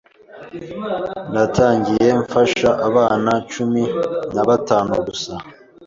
Natangiye mfasha abana cumi nabatanu gusa